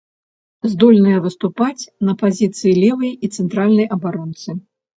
Здольная выступаць на пазіцыі левай і цэнтральнай абаронцы.